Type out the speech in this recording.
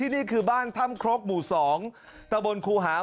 นี่คือบ้านถ้ำครกหมู่๒ตะบนครูหาม